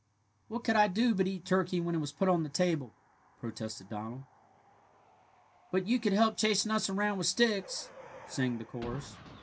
"What could I do but eat turkey when it was put on the table?" protested Donald. "But you could help chasing us around with sticks," sang the chorus.